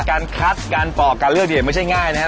การคัดการปอกการเลือกเนี่ยไม่ใช่ง่ายนะครับ